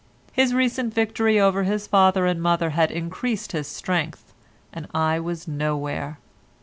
His recent victory over his father and mother had increased his strength, and I was nowhere.